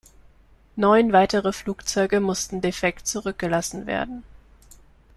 Neun weitere Flugzeuge mussten defekt zurückgelassen werden.